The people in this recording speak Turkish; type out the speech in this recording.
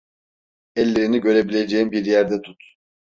Ellerini görebileceğim bir yerde tut.